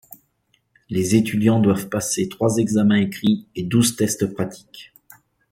Les étudiants doivent passer trois examens écrits et douze tests pratiques.